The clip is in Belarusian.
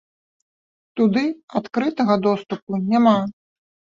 Туды адкрытага доступу няма.